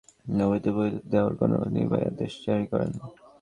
তাঁর ভাষ্য, president Obama অবৈধদের বৈধতা দেওয়ার কোনো নির্বাহী আদেশ জারি করেননি।